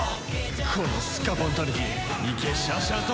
このスカポンタヌキいけしゃあしゃあと。